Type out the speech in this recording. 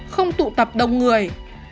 không tụ tập đông người